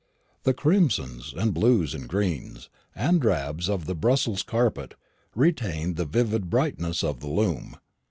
The crimsons, and blues, and greens, and drabs of the Brussels carpets retained the vivid brightness of the loom.